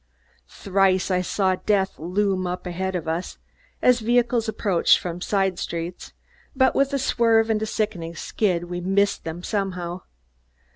Thrice I saw death loom up ahead of us, as vehicles approached from side streets, but with a swerve and a sickening skid, we missed them somehow.